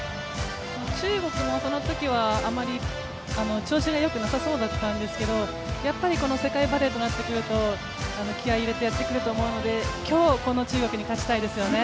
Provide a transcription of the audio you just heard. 中国もそのときはあまり調子がよくなさそうだったんですけどやっぱり世界バレーとなってくると、気合い入れてやってくると思うので今日はこの中国に勝ちたいですよね。